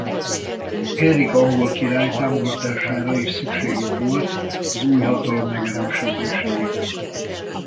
Henrik angol király támogatására is szükségük volt az új hatalom megerősödéséig.